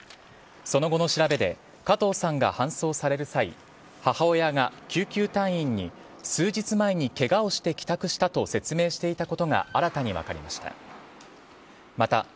その後の調べで加藤さんが搬送される際母親が救急隊員に数日前にケガをして帰宅したと説明していたことが新たに分かりました。